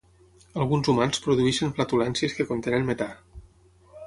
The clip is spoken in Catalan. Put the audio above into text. Alguns humans produeixen flatulències que contenen metà.